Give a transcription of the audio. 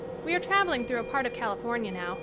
We are travelling through a part of Cal ifornia now.